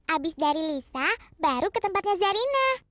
abis dari lisa baru ke tempatnya zarina